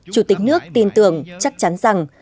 chủ tịch nước tin tưởng chắc chắn rằng